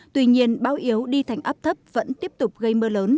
tuy nhiên bão yếu đi thành áp thấp vẫn tiếp tục gây mưa lớn